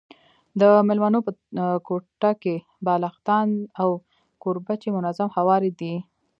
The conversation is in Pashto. د مېلمنو په کوټه کي بالښتان او کوربچې منظم هواري دي.